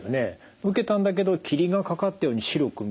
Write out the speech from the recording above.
受けたんだけど霧がかかったように白く見える。